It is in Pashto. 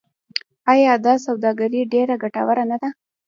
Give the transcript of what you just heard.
آیا دا سوداګري ډیره ګټوره نه ده؟